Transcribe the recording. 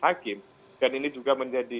hakim dan ini juga menjadi